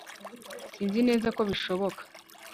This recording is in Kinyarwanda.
sinzi neza ko bishoboka